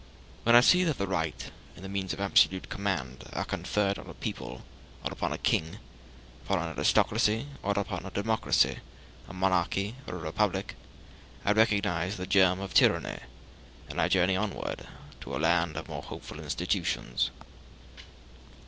When I see that the right and the means of absolute command are conferred on a people or upon a king, upon an aristocracy or a democracy, a monarchy or a republic, I recognize the germ of tyranny, and I journey onward to a land of more hopeful institutions.